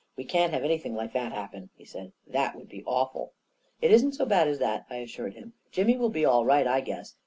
" We can't have anything like that happen !" he said. " That would be awful." " It isn't so bad as that," I assured him. " Jimmy will be all right, I guess.